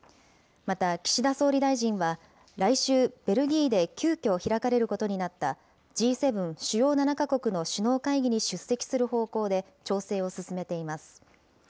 また岸田総理大臣は、来週、ベルギーで急きょ、開かれることになった、Ｇ７・主要７か国の首脳会議に出席する方向で、調整を進めています。